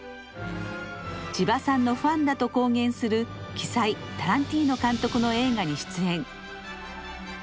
千葉さんのファンだと公言する鬼才タランティーノ監督の映画に出演。